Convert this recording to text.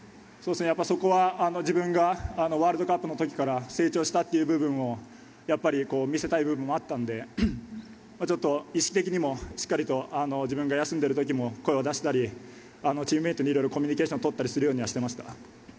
そこは自分がワールドカップの時から成長したという部分を見せたい部分もあったのでちょっと意識的にしっかりと自分が休んでいる時も声を出したりチームメートにいろいろコミュニケーションをとるようにするようにしていました。